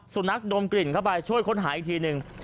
นักดมกลิ่นเข้าไปช่วยค้นหาอีกทีหนึ่ง